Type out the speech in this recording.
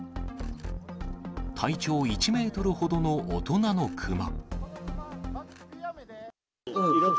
体長１メートルほどの大人のクマ。